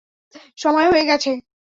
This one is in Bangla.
সময় হয়ে গেছে।